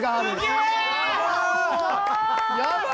すごーい！